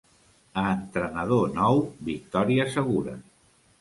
A entrenador nou, victòria segura.